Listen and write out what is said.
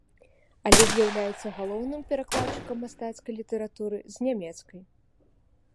Але з'яўляецца галоўным перакладчыкам мастацкай літаратуры з нямецкай.